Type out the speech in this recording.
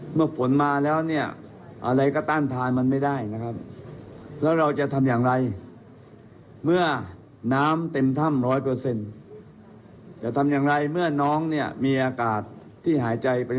เมื่อความหนาของชั้นหินประมาณ๕๐๐เมตร